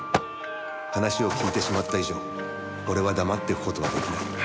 話を聞いてしまった以上俺は黙っておく事は出来ない。